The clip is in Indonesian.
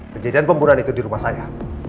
kejadian pembunuhan itu di rumah saya